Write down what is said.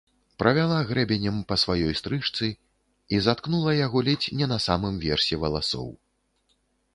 Правяла грэбенем па сваёй стрыжцы і заткнула яго ледзь не на самым версе валасоў.